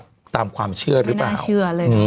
แบบว่าตามความเชื่อหรือเปล่าไม่น่าเชื่อเลย